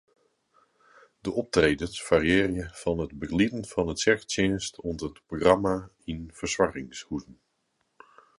De optredens fariearje fan it begelieden fan in tsjerketsjinst oant in programma yn fersoargingshuzen.